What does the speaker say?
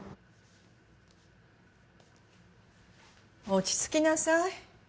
落ち着きなさい。